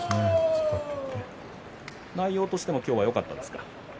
内容としてもよかったですか？